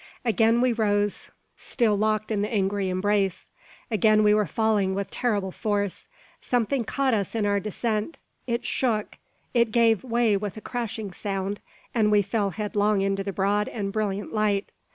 Again we rose, still locked in the angry embrace; again we were falling with terrible force. Something caught us in our descent. It shook; it gave way with a crashing sound, and we fell headlong into the broad and brilliant light!